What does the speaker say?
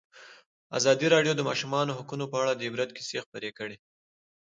ازادي راډیو د د ماشومانو حقونه په اړه د عبرت کیسې خبر کړي.